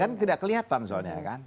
kan tidak kelihatan soalnya kan